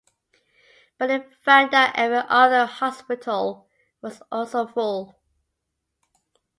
But it found that every other hospital was also full.